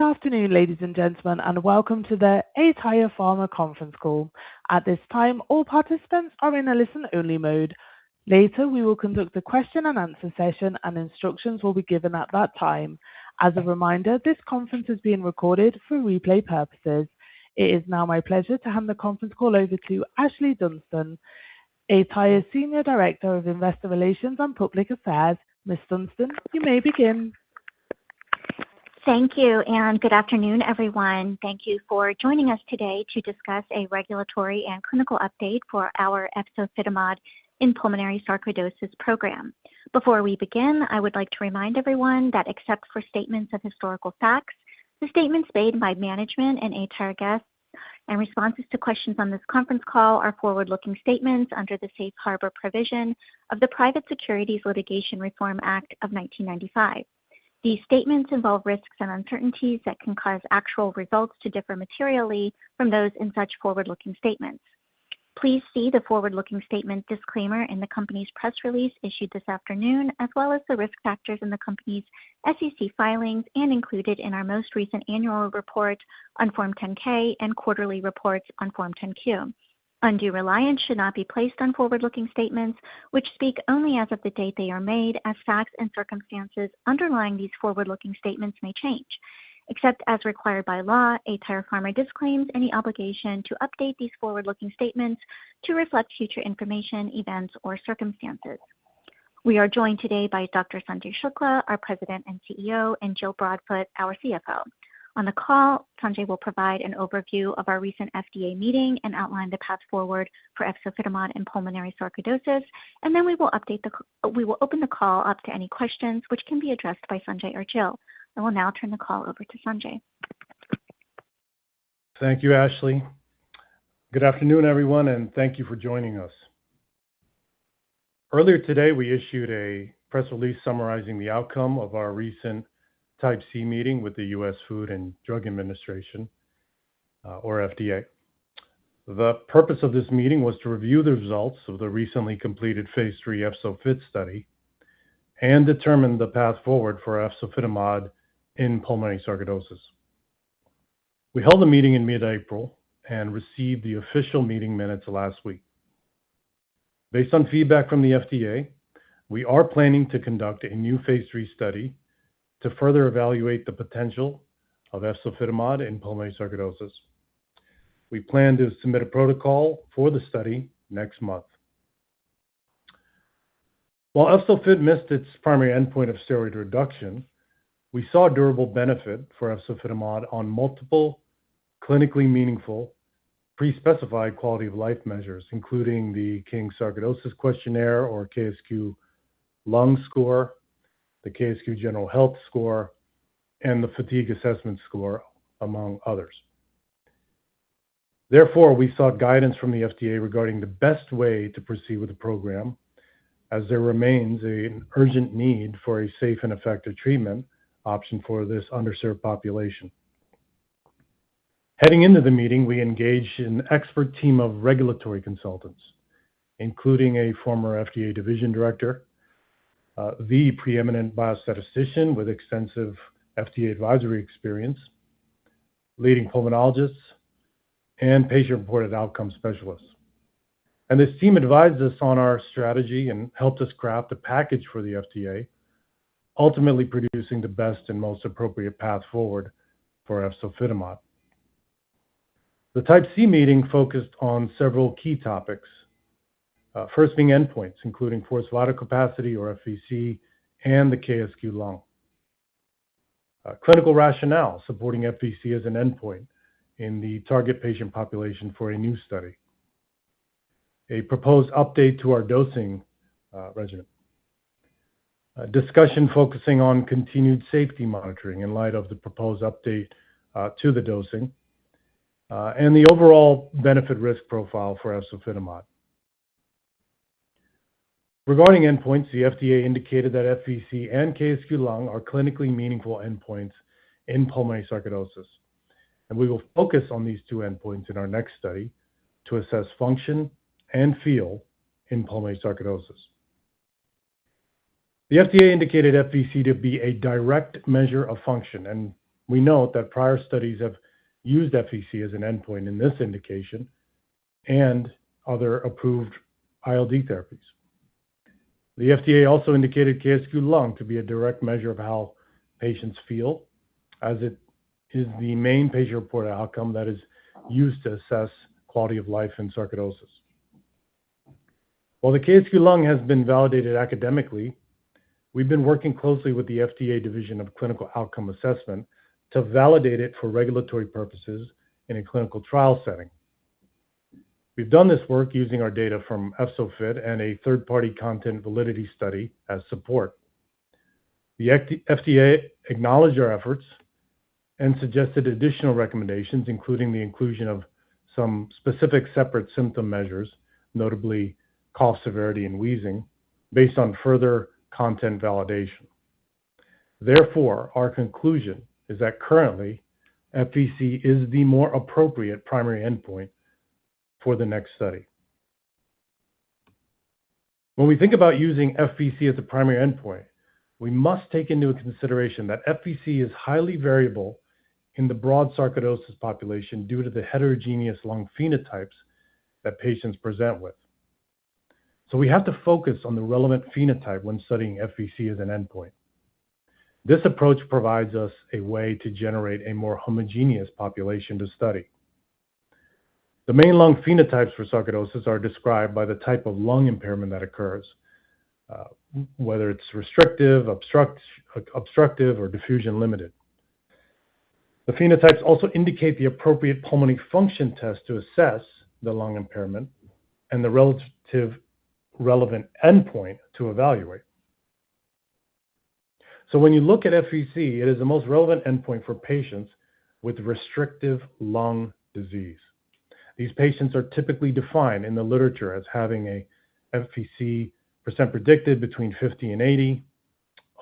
Good afternoon, ladies and gentlemen, and welcome to the aTyr Pharma conference call. At this time, all participants are in a listen-only mode. Later, we will conduct a question and answer session, and instructions will be given at that time. As a reminder, this conference is being recorded for replay purposes. It is now my pleasure to hand the conference call over to Ashlee Dunston, aTyr's Senior Director of Investor Relations and Public Affairs. Ms. Dunston, you may begin. Thank you, good afternoon, everyone. Thank you for joining us today to discuss a regulatory and clinical update for our efzofitimod in pulmonary sarcoidosis program. Before we begin, I would like to remind everyone that except for statements of historical facts, the statements made by management and aTyr guests and responses to questions on this conference call are forward-looking statements under the Safe Harbor provision of the Private Securities Litigation Reform Act of 1995. These statements involve risks and uncertainties that can cause actual results to differ materially from those in such forward-looking statements. Please see the forward-looking statement disclaimer in the company's press release issued this afternoon, as well as the risk factors in the company's SEC filings and included in our most recent annual report on Form 10-K and quarterly reports on Form 10-Q. Undue reliance should not be placed on forward-looking statements which speak only as of the date they are made as facts and circumstances underlying these forward-looking statements may change. Except as required by law, aTyr Pharma disclaims any obligation to update these forward-looking statements to reflect future information, events, or circumstances. We are joined today by Dr. Sanjay Shukla, our President and Chief Executive Officer, and Jill Broadfoot, our Chief Financial Officer. On the call, Sanjay will provide an overview of our recent FDA meeting and outline the path forward for efzofitimod in pulmonary sarcoidosis, then we will open the call up to any questions which can be addressed by Sanjay or Jill. I will now turn the call over to Sanjay. Thank you, Ashlee Dunston. Good afternoon, everyone, and thank you for joining us. Earlier today, we issued a press release summarizing the outcome of our recent Type C meeting with the U.S. Food and Drug Administration, or FDA. The purpose of this meeting was to review the results of the recently completed phase III EFZO-FIT study and determine the path forward for efzofitimod in pulmonary sarcoidosis. We held a meeting in mid-April and received the official meeting minutes last week. Based on feedback from the FDA, we are planning to conduct a new phase III study to further evaluate the potential of efzofitimod in pulmonary sarcoidosis. We plan to submit a protocol for the study next month. While EFZO-FIT missed its primary endpoint of steroid reduction, we saw durable benefit for efzofitimod on multiple clinically meaningful pre-specified quality of life measures, including the King's Sarcoidosis Questionnaire or KSQ lung score, the KSQ general health score, and the fatigue assessment score, among others. Therefore, we sought guidance from the FDA regarding the best way to proceed with the program as there remains an urgent need for a safe and effective treatment option for this underserved population. Heading into the meeting, we engaged an expert team of regulatory consultants, including a former FDA division director, the preeminent biostatistician with extensive FDA advisory experience, leading pulmonologists, and patient-reported outcome specialists. This team advised us on our strategy and helped us craft a package for the FDA, ultimately producing the best and most appropriate path forward for efzofitimod. The Type C meeting focused on several key topics. First being endpoints, including forced vital capacity or FVC and the KSQ lung. Critical rationale supporting FVC as an endpoint in the target patient population for a new study. A proposed update to our dosing regimen. A discussion focusing on continued safety monitoring in light of the proposed update to the dosing and the overall benefit risk profile for efzofitimod. Regarding endpoints, the FDA indicated that FVC and KSQ lung are clinically meaningful endpoints in pulmonary sarcoidosis. We will focus on these two endpoints in our next study to assess function and feel in pulmonary sarcoidosis. The FDA indicated FVC to be a direct measure of function, and we note that prior studies have used FVC as an endpoint in this indication and other approved ILD therapies. The FDA also indicated KSQ lung to be a direct measure of how patients feel, as it is the main patient-reported outcome that is used to assess quality of life in sarcoidosis. While the KSQ lung has been validated academically, we've been working closely with the FDA Division of Clinical Outcome Assessment to validate it for regulatory purposes in a clinical trial setting. We've done this work using our data from EFZO-FIT and a third-party content validity study as support. The FDA acknowledged our efforts and suggested additional recommendations, including the inclusion of some specific separate symptom measures, notably cough severity and wheezing, based on further content validation. Our conclusion is that currently FVC is the more appropriate primary endpoint for the next study. When we think about using FVC as a primary endpoint, we must take into consideration that FVC is highly variable in the broad sarcoidosis population due to the heterogeneous lung phenotypes that patients present with. We have to focus on the relevant phenotype when studying FVC as an endpoint. This approach provides us a way to generate a more homogeneous population to study. The main lung phenotypes for sarcoidosis are described by the type of lung impairment that occurs, whether it's restrictive, obstructive or diffusion-limited. The phenotypes also indicate the appropriate pulmonary function test to assess the lung impairment and the relative relevant endpoint to evaluate. When you look at FVC, it is the most relevant endpoint for patients with restrictive lung disease. These patients are typically defined in the literature as having a FVC % predicted between 50 and 80,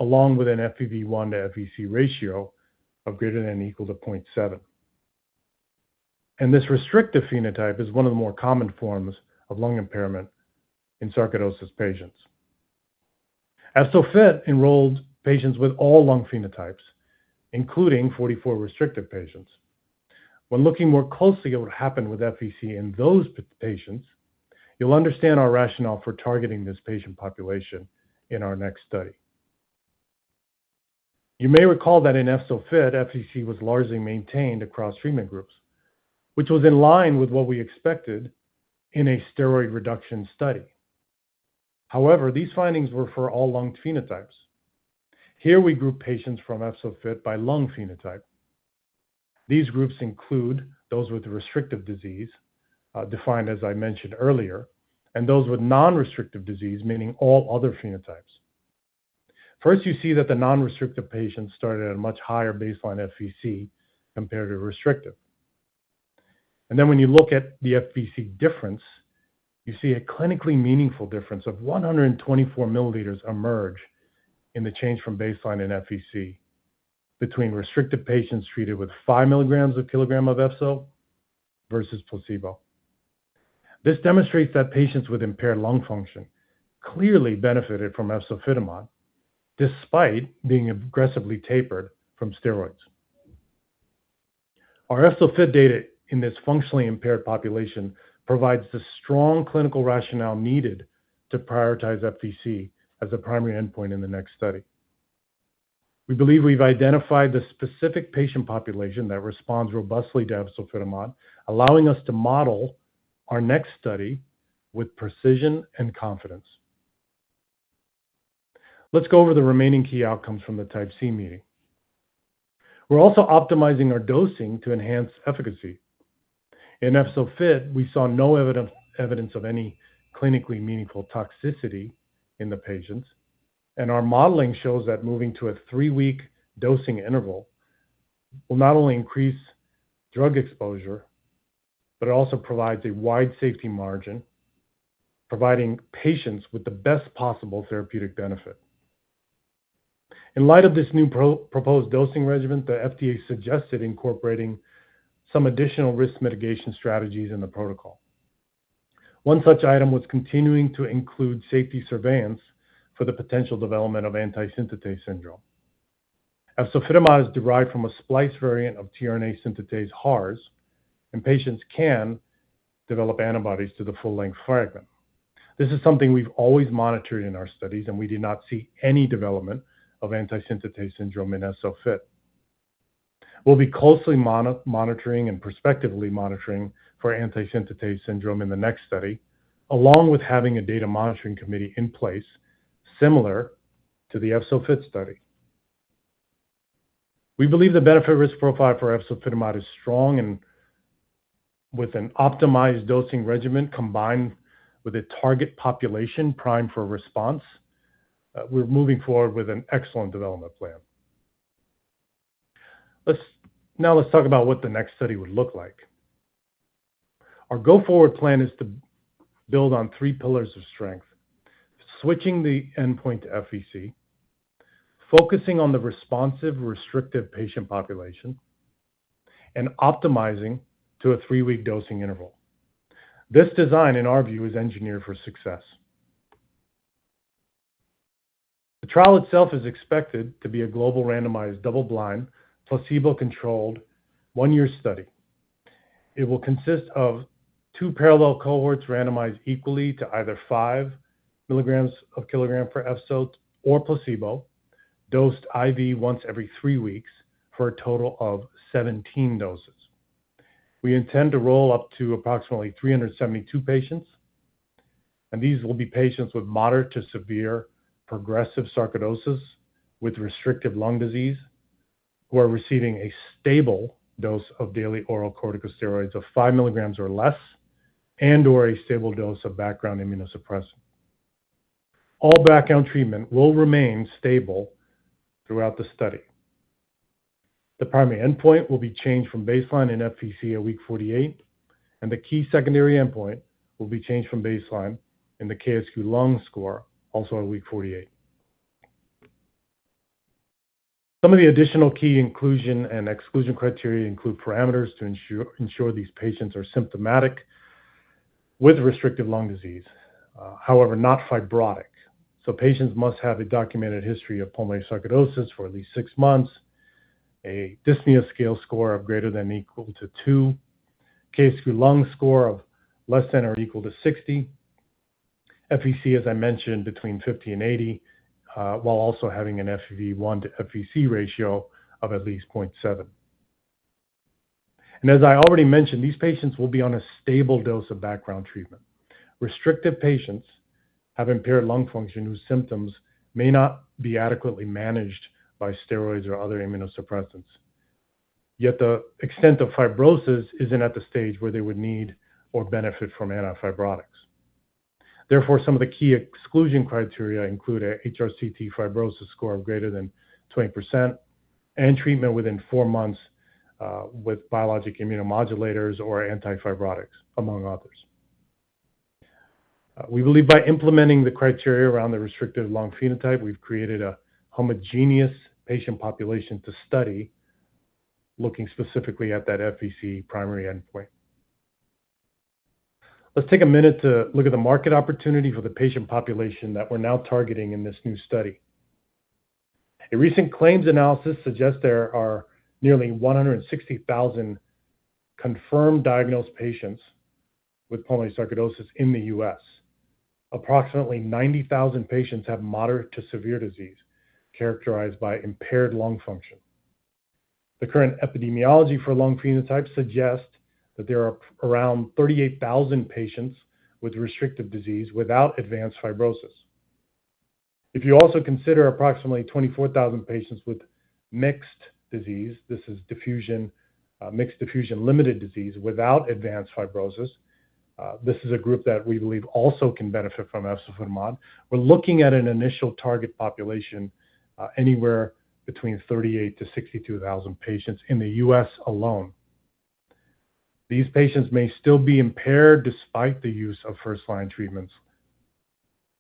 along with an FEV1 to FVC ratio of greater than or equal to 0.7. This restrictive phenotype is one of the more common forms of lung impairment in sarcoidosis patients. EFZO-FIT enrolled patients with all lung phenotypes, including 44 restrictive patients. When looking more closely at what happened with FVC in those patients, you'll understand our rationale for targeting this patient population in our next study. You may recall that in EFZO-FIT, FVC was largely maintained across treatment groups, which was in line with what we expected in a steroid reduction study. These findings were for all lung phenotypes. Here we group patients from EFZO-FIT by lung phenotype. These groups include those with restrictive disease, defined as I mentioned earlier, and those with non-restrictive disease, meaning all other phenotypes. First, you see that the non-restrictive patients started at a much higher baseline FVC compared to restrictive. When you look at the FVC difference, you see a clinically meaningful difference of 124 milliliters emerge in the change from baseline in FVC between restrictive patients treated with 5 mg of kilogram of efzo versus placebo. This demonstrates that patients with impaired lung function clearly benefited from efzofitimod despite being aggressively tapered from steroids. Our EFZO-FIT data in this functionally impaired population provides the strong clinical rationale needed to prioritize FVC as a primary endpoint in the next study. We believe we've identified the specific patient population that responds robustly to efzofitimod, allowing us to model our next study with precision and confidence. Let's go over the remaining key outcomes from the Type C Meeting. We're also optimizing our dosing to enhance efficacy. In EFZO-FIT, we saw no evidence of any clinically meaningful toxicity in the patients, and our modeling shows that moving to a three-week dosing interval will not only increase drug exposure, but it also provides a wide safety margin, providing patients with the best possible therapeutic benefit. In light of this new proposed dosing regimen, the FDA suggested incorporating some additional risk mitigation strategies in the protocol. One such item was continuing to include safety surveillance for the potential development of anti-synthetase syndrome. Efzofitimod is derived from a splice variant of tRNA synthetase HARS, and patients can develop antibodies to the full-length fragment. This is something we've always monitored in our studies, and we did not see any development of anti-synthetase syndrome in EFZO-FIT. We'll be closely monitoring and prospectively monitoring for anti-synthetase syndrome in the next study, along with having a data monitoring committee in place similar to the EFZO-FIT study. We believe the benefit-risk profile for efzofitimod is strong and with an optimized dosing regimen combined with a target population primed for response, we're moving forward with an excellent development plan. Now let's talk about what the next study would look like. Our go-forward plan is to build on three pillars of strength, switching the endpoint to FVC, focusing on the responsive restrictive patient population, and optimizing to a three-week dosing interval. This design, in our view, is engineered for success. The trial itself is expected to be a global randomized, double-blind, placebo-controlled, one-year study. It will consist of two parallel cohorts randomized equally to either 5 mg of kilogram per efzo or placebo, dosed IV once every three weeks for a total of 17 doses. We intend to roll up to approximately 372 patients. These will be patients with moderate to severe progressive sarcoidosis with restrictive lung disease who are receiving a stable dose of daily oral corticosteroids of 5 mg or less and/or a stable dose of background immunosuppressant. All background treatment will remain stable throughout the study. The primary endpoint will be changed from baseline in FVC at week 48. The key secondary endpoint will be changed from baseline in the KSQ lung score also at week 48. Some of the additional key inclusion and exclusion criteria include parameters to ensure these patients are symptomatic with restrictive lung disease, however, not fibrotic. Patients must have a documented history of pulmonary sarcoidosis for at least six months, a dyspnea scale score of greater than or equal to two, KSQ of less than or equal to 60, FVC, as I mentioned, between 50 and 80, while also having an FEV1 to FVC ratio of at least 0.7. As I already mentioned, these patients will be on a stable dose of background treatment. Restrictive patients have impaired lung function whose symptoms may not be adequately managed by steroids or other immunosuppressants. Yet the extent of fibrosis isn't at the stage where they would need or benefit from antifibrotics. Therefore, some of the key exclusion criteria include a HRCT fibrosis score of greater than 20% and treatment within four months with biologic immunomodulators or antifibrotics, among others. We believe by implementing the criteria around the restrictive lung phenotype, we've created a homogeneous patient population to study, looking specifically at that FVC primary endpoint. Let's take a minute to look at the market opportunity for the patient population that we're now targeting in this new study. A recent claims analysis suggests there are nearly 160,000 confirmed diagnosed patients with pulmonary sarcoidosis in the U.S. Approximately 90,000 patients have moderate to severe disease characterized by impaired lung function. The current epidemiology for lung phenotypes suggests that there are around 38,000 patients with restrictive disease without advanced fibrosis. If you also consider approximately 24,000 patients with mixed disease, this is diffusion, mixed diffusion limited disease without advanced fibrosis, this is a group that we believe also can benefit from efzofitimod. We're looking at an initial target population, anywhere between 38,000 to 62,000 patients in the U.S. alone. These patients may still be impaired despite the use of first-line treatments.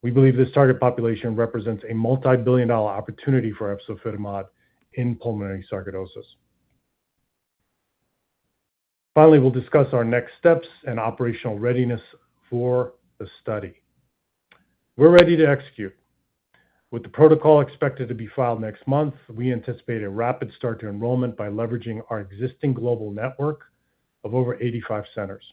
We believe this target population represents a multi-billion dollar opportunity for efzofitimod in pulmonary sarcoidosis. Finally, we'll discuss our next steps and operational readiness for the study. We're ready to execute. With the protocol expected to be filed next month, we anticipate a rapid start to enrollment by leveraging our existing global network of over 85 centers.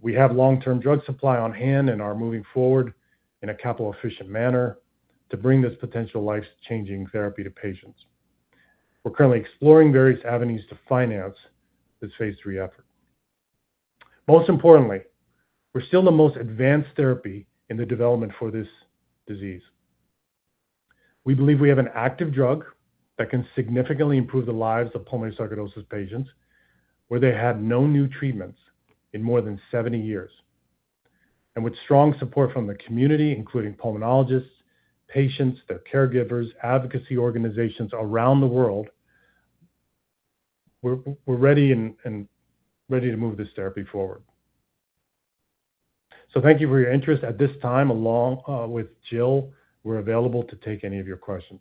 We have long-term drug supply on hand and are moving forward in a capital-efficient manner to bring this potential life-changing therapy to patients. We're currently exploring various avenues to finance this phase III effort. Most importantly, we're still the most advanced therapy in the development for this disease. We believe we have an active drug that can significantly improve the lives of pulmonary sarcoidosis patients where they had no new treatments in more than 70 years. With strong support from the community, including pulmonologists, patients, their caregivers, advocacy organizations around the world, we're ready and ready to move this therapy forward. Thank you for your interest. At this time, along with Jill, we're available to take any of your questions.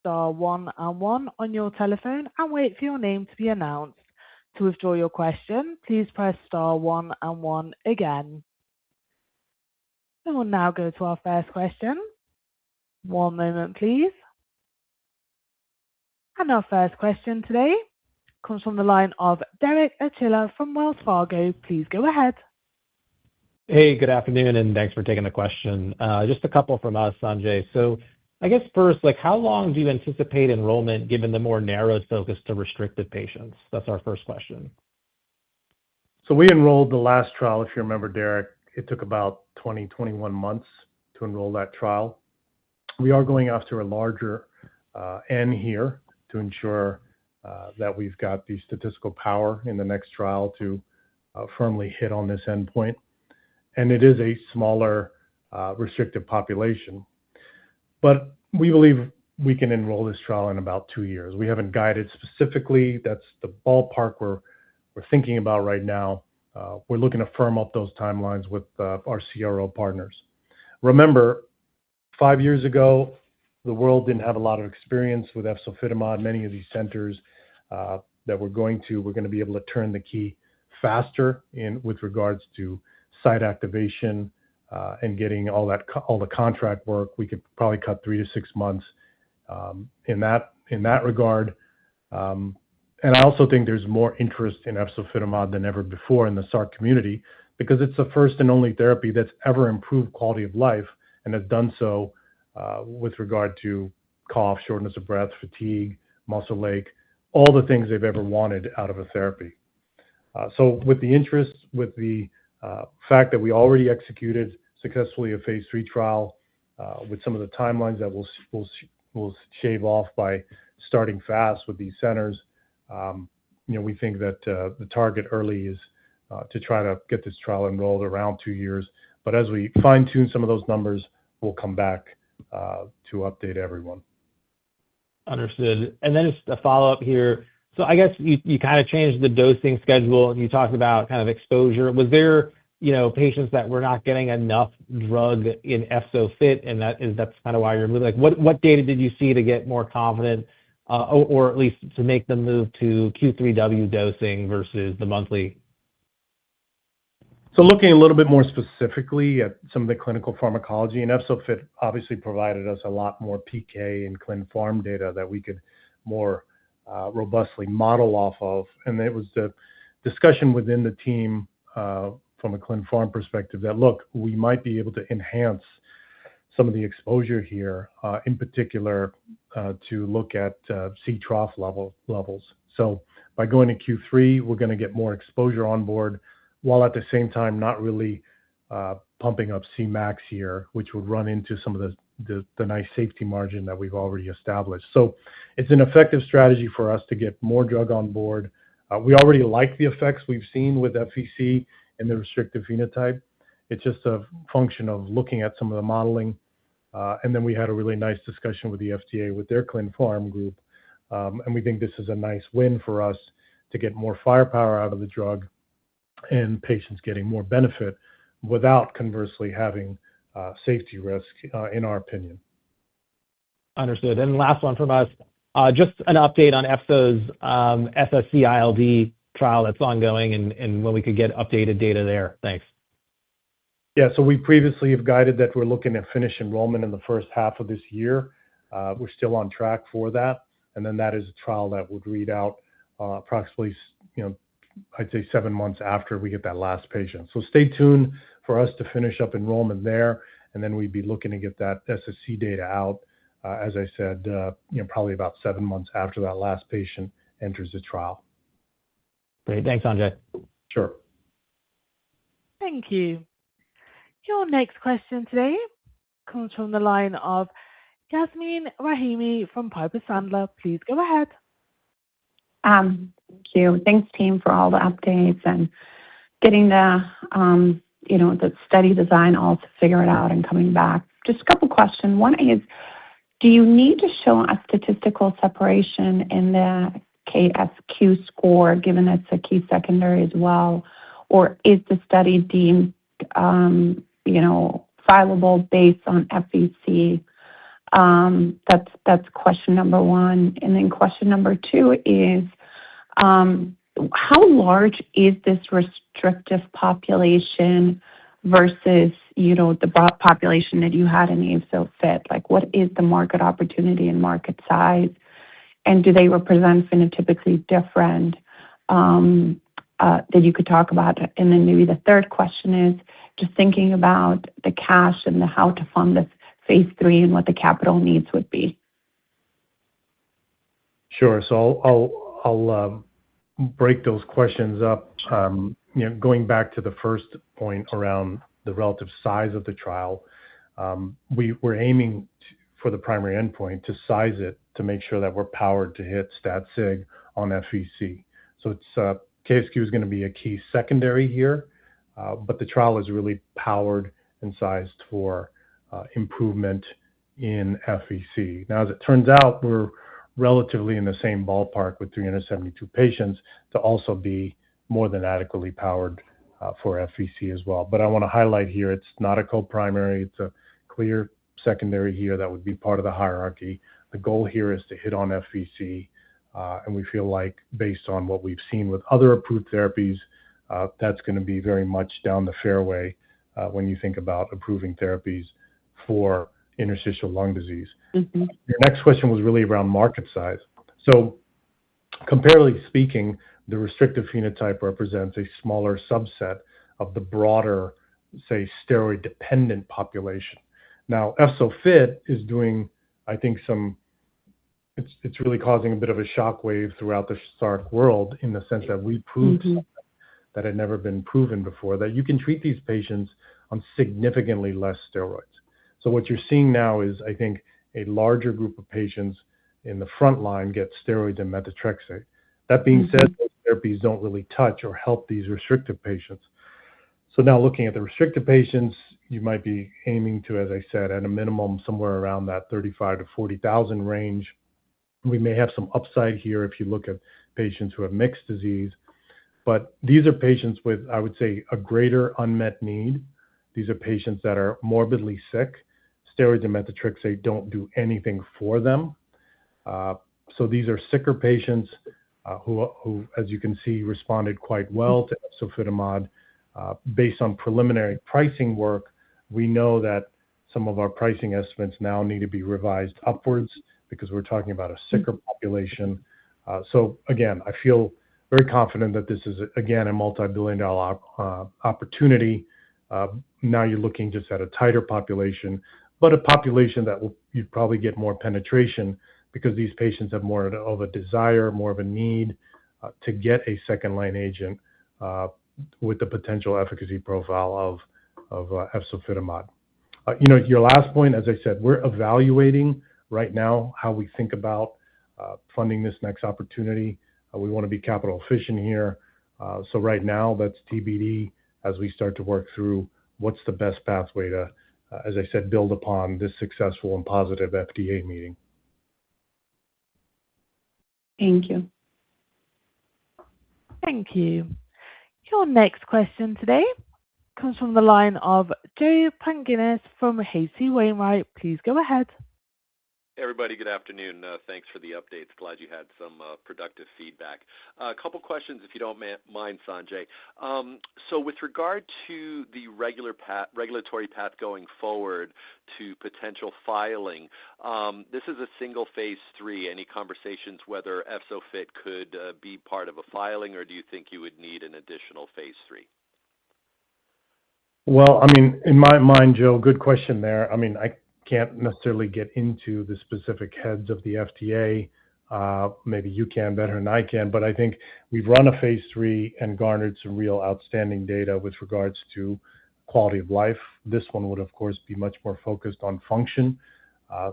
Star one and one on your telephone and wait for your name to be announced. To withdraw your question, please press star one and one again. We'll now go to our first question. One moment please. Our first question today comes from the line of Derek Archila from Wells Fargo. Please go ahead. Hey, good afternoon, and thanks for taking the question. Just a couple from us, Sanjay. I guess first, like, how long do you anticipate enrollment given the more narrow focus to restricted patients? That's our first question. We enrolled the last trial, if you remember, Derek. It took about 20, 21 months to enroll that trial. We are going after a larger N here to ensure that we've got the statistical power in the next trial to firmly hit on this endpoint. It is a smaller, restrictive population. We believe we can enroll this trial in about two years. We haven't guided specifically. That's the ballpark we're thinking about right now. We're looking to firm up those timelines with our CRO partners. Remember, five years ago, the world didn't have a lot of experience with efzofitimod. Many of these centers that we're going to, we're gonna be able to turn the key faster in with regards to site activation and getting all that contract work. We could probably cut three to six months in that regard. I also think there's more interest in efzofitimod than ever before in the SARC community because it's the first and only therapy that's ever improved quality of life and has done so with regard to cough, shortness of breath, fatigue, muscle ache, all the things they've ever wanted out of a therapy. With the interest, with the fact that we already executed successfully a phase III trial, with some of the timelines that we'll shave off by starting fast with these centers, you know, we think that the target early is to try to get this trial enrolled around two years. As we fine-tune some of those numbers, we'll come back to update everyone. Understood. Just a follow-up here. I guess you kind of changed the dosing schedule, and you talked about kind of exposure. Was there, you know, patients that were not getting enough drug in EFZO-FIT and that's kind of why you're moving? Like, what data did you see to get more confident, or at least to make the move to Q3W dosing versus the monthly? Looking a little bit more specifically at some of the clinical pharmacology, and efzofitimod obviously provided us a lot more PK and clinical pharmacology data that we could more robustly model off of. It was the discussion within the team from a clinical pharmacology perspective that, look, we might be able to enhance some of the exposure here, in particular, to look at C trough levels. By going to Q3, we're gonna get more exposure on board, while at the same time, not really pumping up Cmax here, which would run into some of the nice safety margin that we've already established. It's an effective strategy for us to get more drug on board. We already like the effects we've seen with FVC in the restrictive phenotype. It's just a function of looking at some of the modeling. Then we had a really nice discussion with the FDA, with their clinical pharmacology group, and we think this is a nice win for us to get more firepower out of the drug and patients getting more benefit without conversely having safety risk in our opinion. Understood. Last one from us. Just an update on efzo's SSc-ILD trial that's ongoing and when we could get updated data there. Thanks. Yeah. We previously have guided that we're looking to finish enrollment in the first half of this year. We're still on track for that. That is a trial that would read out, approximately you know, I'd say seven months after we get that last patient. Stay tuned for us to finish up enrollment there, and then we'd be looking to get that SSc data out, as I said, you know, probably about seven months after that last patient enters the trial. Great. Thanks, Sanjay. Sure. Thank you. Your next question today comes from the line of Yasmeen Rahimi from Piper Sandler. Please go ahead. Thank you. Thanks team for all the updates and getting the, you know, the study design all to figure it out and coming back. Just a couple questions. One is, do you need to show a statistical separation in the KSQ score, given it's a key secondary as well? Or is the study deemed, you know, fileable based on FVC? That's question number one. Then question number two is, how large is this restrictive population versus, you know, the broad population that you had in EFZO-FIT? Like, what is the market opportunity and market size, and do they represent phenotypically different that you could talk about? Then maybe the third question is just thinking about the cash and the how to fund this phase III and what the capital needs would be. Sure. I'll break those questions up. You know, going back to the first point around the relative size of the trial, we were aiming for the primary endpoint to size it to make sure that we're powered to hit stat sig on FVC. It's KSQ is gonna be a key secondary here, but the trial is really powered and sized for improvement in FVC. As it turns out, we're relatively in the same ballpark with 372 patients to also be more than adequately powered for FVC as well. I wanna highlight here, it's not a co-primary. It's a clear secondary here that would be part of the hierarchy. The goal here is to hit on FVC, and we feel like based on what we've seen with other approved therapies, that's gonna be very much down the fairway, when you think about approving therapies for interstitial lung disease. Your next question was really around market size. Comparatively speaking, the restrictive phenotype represents a smaller subset of the broader, say, steroid-dependent population. EFZO-FIT is doing, I think, It's really causing a bit of a shockwave throughout the SARC world in the sense that we proved something that had never been proven before, that you can treat these patients on significantly less steroids. What you're seeing now is, I think, a larger group of patients in the front line get steroids and methotrexate. That being said, those therapies don't really touch or help these restrictive patients. Now looking at the restrictive patients, you might be aiming to, as I said, at a minimum, somewhere around that $35,000-$40,000 range. We may have some upside here if you look at patients who have mixed disease. These are patients with, I would say, a greater unmet need. These are patients that are morbidly sick. Steroids and methotrexate don't do anything for them. These are sicker patients, who as you can see, responded quite well to efzofitimod. Based on preliminary pricing work, we know that some of our pricing estimates now need to be revised upwards because we're talking about a sicker population. Again, I feel very confident that this is again, a multi-billion dollar opportunity. Now you're looking just at a tighter population, but a population that you'd probably get more penetration because these patients have more of a desire, more of a need to get a second line agent with the potential efficacy profile of efzofitimod. You know, your last point, as I said, we're evaluating right now how we think about funding this next opportunity, we wanna be capital efficient here. Right now that's TBD as we start to work through what's the best pathway to, as I said, build upon this successful and positive FDA meeting. Thank you. Thank you. Your next question today comes from the line of Joe Pantginis from H.C. Wainwright. Please go ahead. Hey, everybody. Good afternoon. Thanks for the updates. Glad you had some productive feedback. A couple questions, if you don't mind, Sanjay. With regard to the regulatory path going forward to potential filing, this is a single phase III. Any conversations whether EFZO-FIT could be part of a filing, or do you think you would need an additional phase III? In my mind, Joe, good question there. I can't necessarily get into the specific heads of the FDA. Maybe you can better than I can, but I think we've run a phase III and garnered some real outstanding data with regards to quality of life. This one would, of course, be much more focused on function.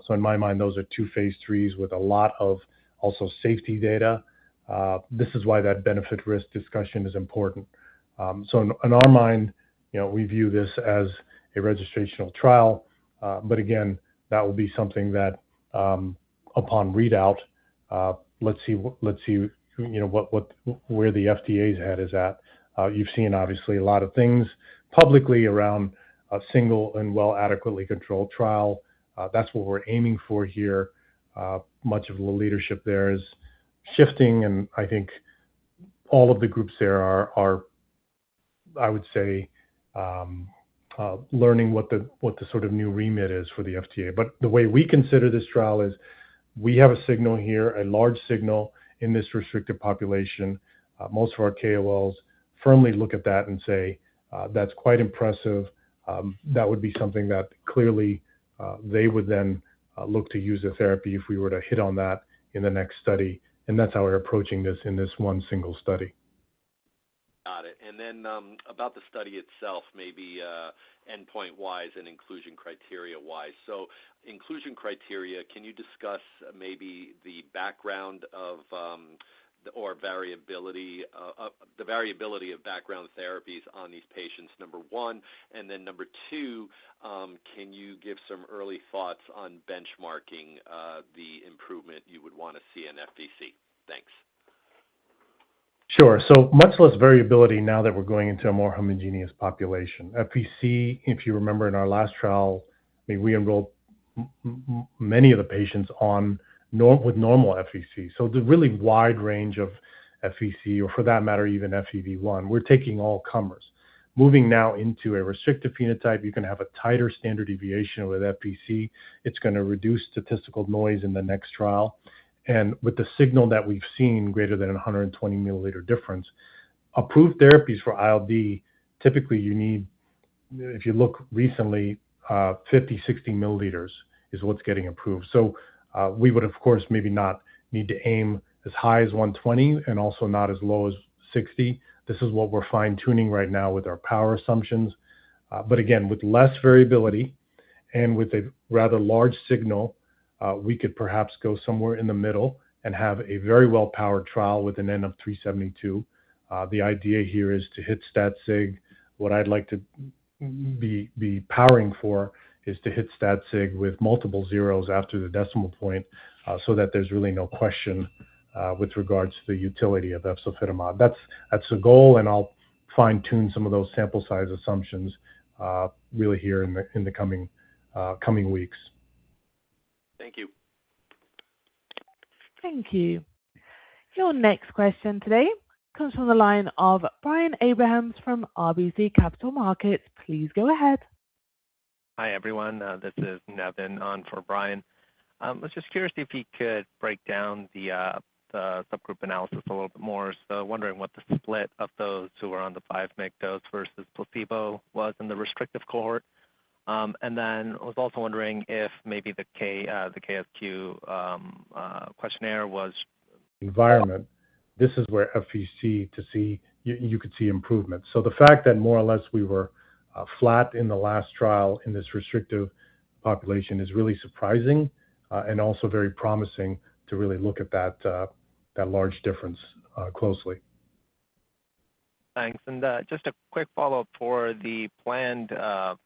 In my mind, those are two phase IIIs with a lot of also safety data. This is why that benefit risk discussion is important. In our mind, we view this as a registrational trial. Again, that will be something that upon readout, let's see what where the FDA's head is at. You've seen obviously a lot of things publicly around a single and well adequately controlled trial. That's what we're aiming for here. Much of the leadership there is shifting, and I think all of the groups there are, I would say, learning what the, what the sort of new remit is for the FDA. The way we consider this trial is we have a signal here, a large signal in this restricted population. Most of our KOLs firmly look at that and say, "That's quite impressive." That would be something that clearly, they would then, look to use a therapy if we were to hit on that in the next study. That's how we're approaching this in this one single study. Got it. About the study itself, maybe endpoint-wise and inclusion criteria-wise. Inclusion criteria, can you discuss maybe the background of, or variability, the variability of background therapies on these patients, number one. Number two, can you give some early thoughts on benchmarking, the improvement you would wanna see in FVC? Thanks. Sure. Much less variability now that we're going into a more homogeneous population. FVC, if you remember in our last trial, I mean, we enrolled many of the patients with normal FVC. It's a really wide range of FVC or for that matter, even FEV1. We're taking all comers. Moving now into a restrictive phenotype, you can have a tighter standard deviation with FVC. It's gonna reduce statistical noise in the next trial. With the signal that we've seen, greater than 120 milliliter difference, approved therapies for ILD, typically you need, if you look recently, 50 milliliters, 60 milliliters is what's getting approved. We would of course maybe not need to aim as high as 120 milliliters and also not as low as 60 milliliters. This is what we're fine-tuning right now with our power assumptions. But again, with less variability and with a rather large signal, we could perhaps go somewhere in the middle and have a very well-powered trial with an N of 372. The idea here is to hit stat sig. What I'd like to be powering for is to hit stat sig with multiple zeros after the decimal point, so that there's really no question with regards to the utility of efzofitimod. That's the goal, and I'll fine-tune some of those sample size assumptions really here in the coming weeks. Thank you. Thank you. Your next question today comes from the line of Brian Abrahams from RBC Capital Markets. Please go ahead. Hi, everyone. This is Nevin on for Brian. I was just curious if you could break down the subgroup analysis a little bit more. Wondering what the split of those who were on the 5 mg dose versus placebo was in the restrictive cohort. I was also wondering if maybe the KSQ questionnaire was. Environment, this is where FVC to see, you could see improvements. The fact that more or less we were flat in the last trial in this restrictive population is really surprising and also very promising to really look at that large difference closely. Thanks. Just a quick follow-up for the planned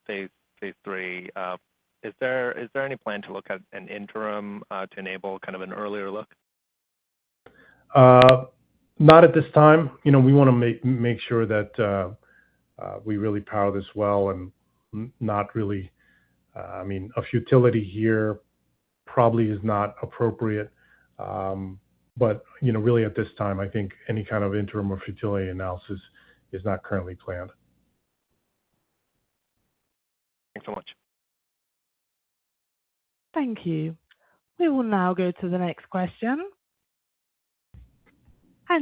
phase III. Is there any plan to look at an interim to enable kind of an earlier look? Not at this time. You know, we wanna make sure that we really power this well and not really, I mean, a futility here probably is not appropriate. You know, really at this time, I think any kind of interim or futility analysis is not currently planned. Thanks so much. Thank you. We will now go to the next question.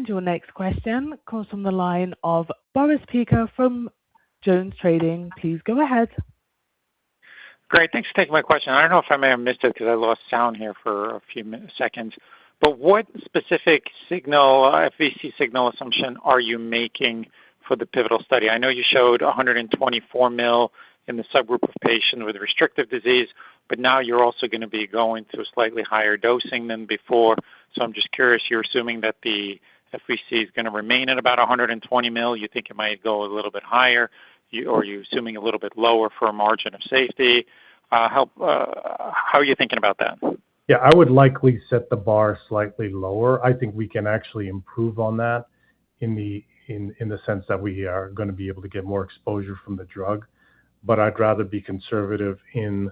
Your next question comes from the line of Boris Peaker from JonesTrading. Please go ahead. Great. Thanks for taking my question. I don't know if I may have missed it 'cause I lost sound here for a few seconds. What specific signal, FVC signal assumption are you making for the pivotal study? I know you showed 124 mil in the subgroup of patient with restrictive disease, but now you're also gonna be going to a slightly higher dosing than before. I'm just curious, you're assuming that the FVC is gonna remain at about 120 mil. You think it might go a little bit higher? Or are you assuming a little bit lower for a margin of safety? How are you thinking about that? Yeah. I would likely set the bar slightly lower. I think we can actually improve on that in the sense that we are gonna be able to get more exposure from the drug. I'd rather be conservative in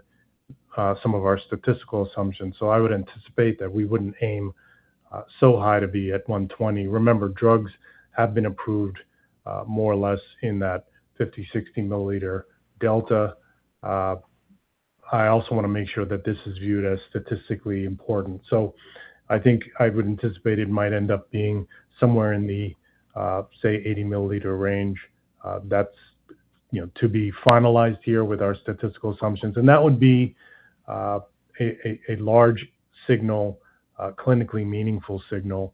some of our statistical assumptions. I would anticipate that we wouldn't aim so high to be at 120 milliliters. Remember, drugs have been approved, more or less in that 50 milliliters, 60 milliliters delta. I also wanna make sure that this is viewed as statistically important. I think I would anticipate it might end up being somewhere in the, say, 80 milliliter range. That's, you know, to be finalized here with our statistical assumptions. That would be a large signal, a clinically meaningful signal.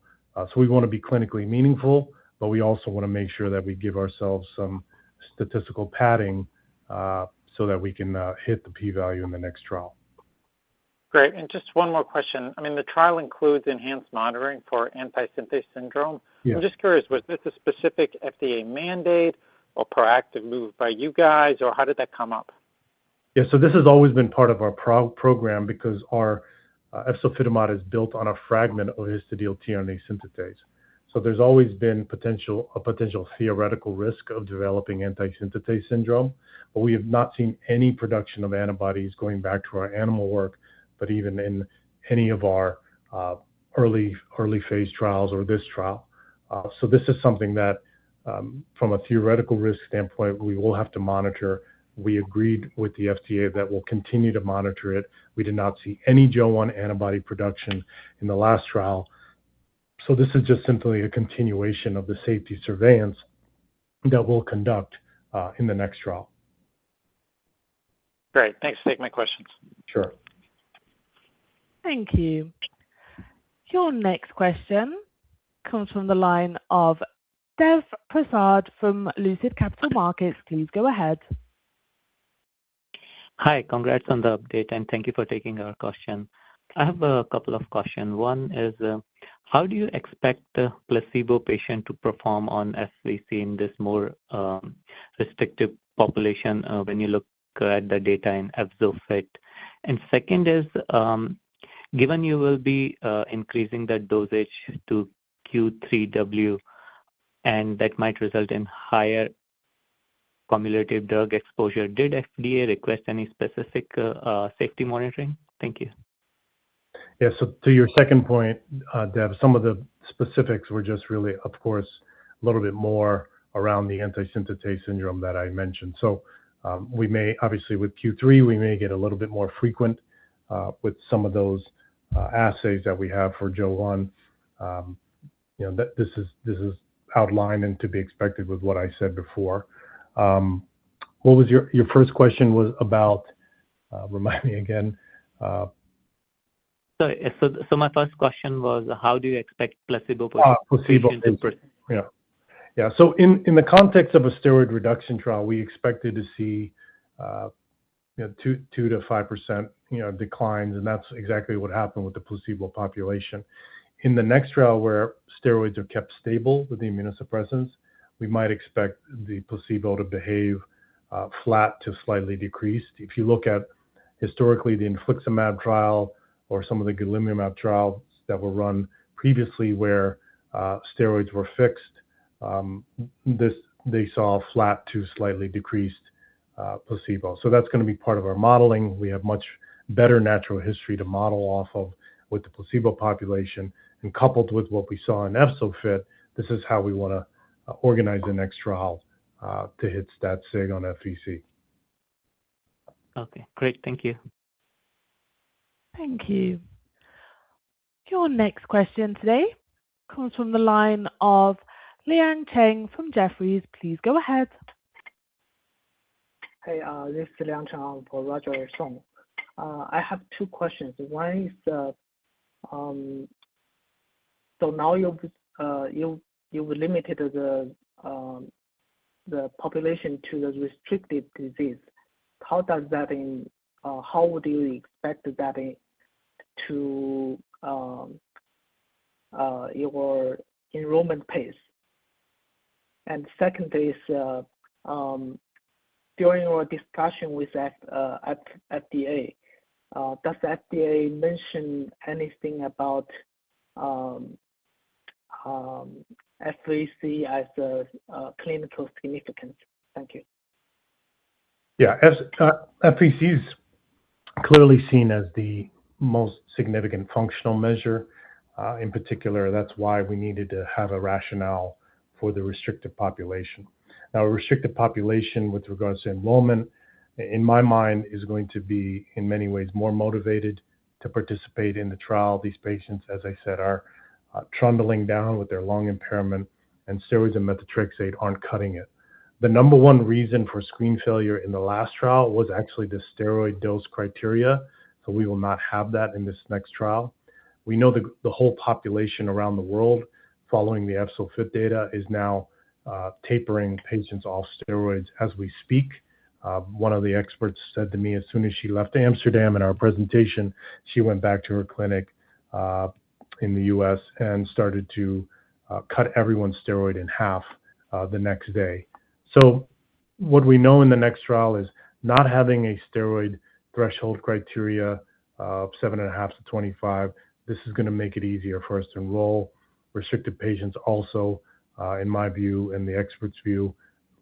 We wanna be clinically meaningful, but we also wanna make sure that we give ourselves some statistical padding, so that we can hit the P value in the next trial. Great. Just one more question. I mean, the trial includes enhanced monitoring for anti-synthetase syndrome. Yeah. I'm just curious, was this a specific FDA mandate or proactive move by you guys, or how did that come up? This has always been part of our program because our efzofitimod is built on a fragment of histidyl-tRNA synthetase. There's always been a potential theoretical risk of developing anti-synthetase syndrome. We have not seen any production of antibodies going back to our animal work, even in any of our early phase trials or this trial. This is something that, from a theoretical risk standpoint, we will have to monitor. We agreed with the FDA that we'll continue to monitor it. We did not see any Jo-1 antibody production in the last trial. This is just simply a continuation of the safety surveillance that we'll conduct in the next trial. Great. Thanks for taking my questions. Sure. Thank you. Your next question comes from the line of Dev Prasad from Lucid Capital Markets. Please go ahead. Hi. Congrats on the update, and thank you for taking our question. I have a couple of question. One is, how do you expect the placebo patient to perform on FVC in this more respective population, when you look at the data in EFZO-FIT? Second is, given you will be increasing that dosage to Q3W, and that might result in higher cumulative drug exposure, did FDA request any specific safety monitoring? Thank you. To your second point, Dev, some of the specifics were just really, of course, a little bit more around the anti-synthetase syndrome that I mentioned. We may obviously, with Q3, we may get a little bit more frequent with some of those assays that we have for Jo-1. You know, this is outlined and to be expected with what I said before. What was your first question was about, remind me again. Sorry. My first question was, how do you expect placebo- Ah, placebo- Patient to perform? In the context of a steroid reduction trial, we expected to see, you know, 2%-5% declines, and that's exactly what happened with the placebo population. In the next trial where steroids are kept stable with the immunosuppressants, we might expect the placebo to behave flat to slightly decreased. If you look at historically the infliximab trial or some of the golimumab trials that were run previously where steroids were fixed, they saw flat to slightly decreased placebo. That's gonna be part of our modeling. We have much better natural history to model off of with the placebo population, and coupled with what we saw in EFZO-FIT, this is how we wanna organize the next trial to hit stat sig on FVC. Okay. Great. Thank you. Thank you. Your next question today comes from the line of Liang Cheng from Jefferies. Please go ahead. Hey, this is Liang Cheng. I'm for Roger Song. I have two questions. One is, Now you've limited the population to the restricted disease. How do you expect that to your enrollment pace? Second is, during your discussion with at FDA, does FDA mention anything about FVC as a clinical significance? Thank you. Yeah. FVC is clearly seen as the most significant functional measure. In particular, that's why we needed to have a rationale for the restricted population. Now, a restricted population with regards to enrollment, in my mind, is going to be in many ways more motivated to participate in the trial. These patients, as I said, are trundling down with their lung impairment, and steroids and methotrexate aren't cutting it. The number one reason for screen failure in the last trial was actually the steroid dose criteria, so we will not have that in this next trial. We know the whole population around the world following the EFZO-FIT data is now tapering patients off steroids as we speak. One of the experts said to me as soon as she left Amsterdam and our presentation, she went back to her clinic, in the U.S. and started to cut everyone's steroid in half the next day. What we know in the next trial is not having a steroid threshold criteria of 7.5-25, this is gonna make it easier for us to enroll restricted patients also, in my view and the expert's view,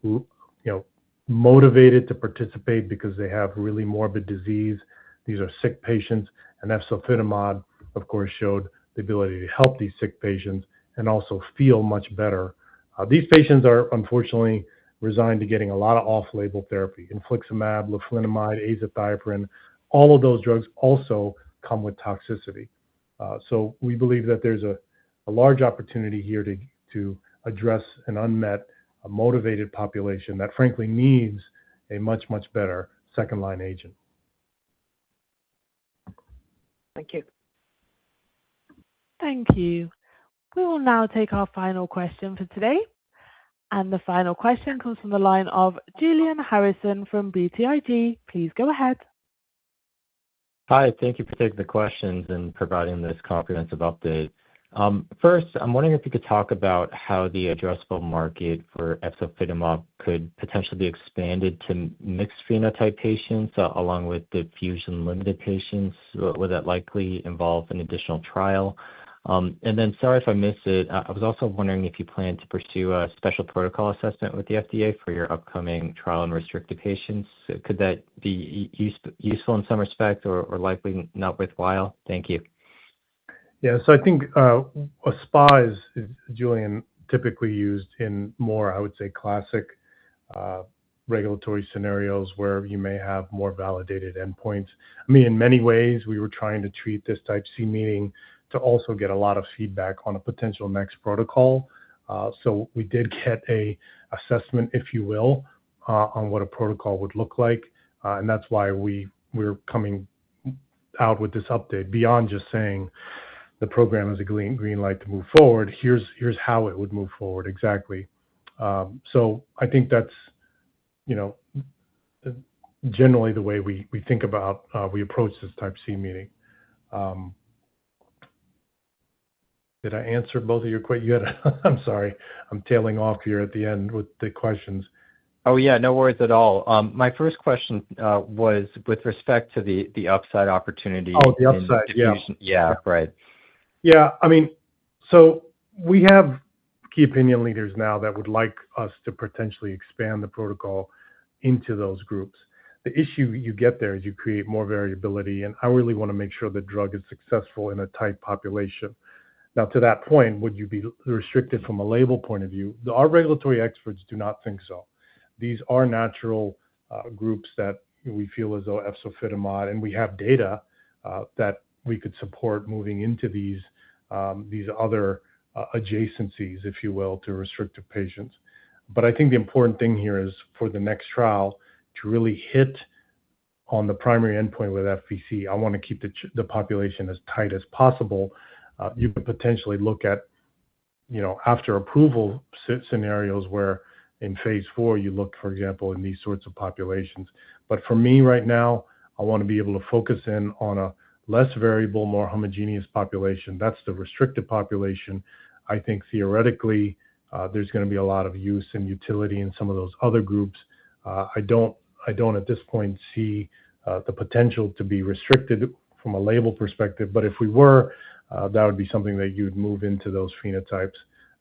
who, you know, motivated to participate because they have really morbid disease. These are sick patients, and efzofitimod, of course, showed the ability to help these sick patients and also feel much better. These patients are unfortunately resigned to getting a lot of off-label therapy. Infliximab, leflunomide, azathioprine, all of those drugs also come with toxicity. We believe that there's a large opportunity here to address an unmet, a motivated population that frankly needs a much better second-line agent. Thank you. Thank you. We will now take our final question for today, and the final question comes from the line of Julian Harrison from BTIG. Please go ahead. Hi. Thank you for taking the questions and providing this comprehensive update. First, I'm wondering if you could talk about how the addressable market for efzofitimod could potentially be expanded to mixed phenotype patients, along with the fusion-limited patients. Would that likely involve an additional trial? Sorry if I missed it, I was also wondering if you plan to pursue a Special Protocol Assessment with the FDA for your upcoming trial in restricted patients. Could that be useful in some respect or likely not worthwhile? Thank you. Yeah. I think a SPA is, Julian, typically used in more, I would say, classic regulatory scenarios where you may have more validated endpoints. I mean, in many ways, we were trying to treat this Type C Meeting to also get a lot of feedback on a potential next protocol. We did get a assessment, if you will, on what a protocol would look like, and that's why we're coming out with this update. Beyond just saying the program is a green light to move forward, here's how it would move forward exactly. I think that's, you know, generally the way we think about, we approach this Type C Meeting. Did I answer both of your you had I'm sorry. I'm tailing off here at the end with the questions. Oh, yeah. No worries at all. My first question was with respect to the upside opportunity. Oh, the upside. Yeah. Yeah. Right. Yeah. I mean, we have key opinion leaders now that would like us to potentially expand the protocol into those groups. The issue you get there is you create more variability, and I really wanna make sure the drug is successful in a tight population. Now to that point, would you be restricted from a label point of view? Our regulatory experts do not think so. These are natural groups that we feel as though efzofitimod, and we have data that we could support moving into these these other adjacencies, if you will, to restricted patients. I think the important thing here is for the next trial to really hit on the primary endpoint with FVC. I wanna keep the population as tight as possible. You could potentially look at, you know, after approval scenarios where in phase IV you look, for example, in these sorts of populations. For me right now, I wanna be able to focus in on a less variable, more homogeneous population. That's the restricted population. I think theoretically, there's gonna be a lot of use and utility in some of those other groups. I don't, I don't at this point see the potential to be restricted from a label perspective. If we were, that would be something that you'd move into those phenotypes.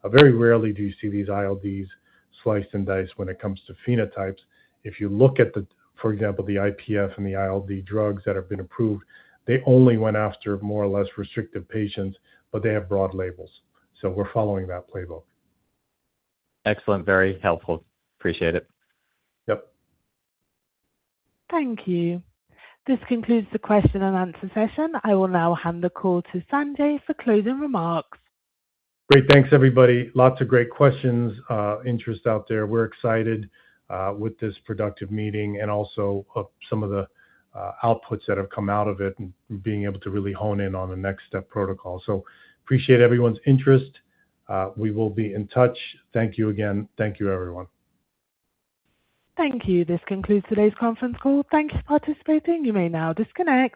Very rarely do you see these ILDs sliced and diced when it comes to phenotypes. If you look at the, for example, the IPF and the ILD drugs that have been approved, they only went after more or less restrictive patients, but they have broad labels. We're following that playbook. Excellent. Very helpful. Appreciate it. Yep. Thank you. This concludes the question and answer session. I will now hand the call to Sanjay for closing remarks. Great. Thanks, everybody. Lots of great questions, interest out there. We're excited with this productive meeting and also of some of the outputs that have come out of it and being able to really hone in on the next step protocol. Appreciate everyone's interest. We will be in touch. Thank you again. Thank you, everyone. Thank you. This concludes today's conference call. Thanks for participating. You may now disconnect.